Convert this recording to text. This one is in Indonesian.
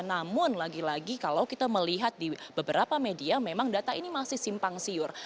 namun lagi lagi kalau kita melihat di beberapa media memang data ini masih simpang siur